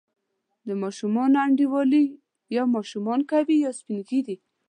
د ماشومانو انډیوالي یا ماشومان کوي، یا سپین ږیري.